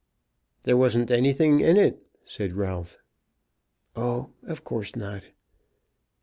"There wasn't anything in it," said Ralph. "Oh; of course not."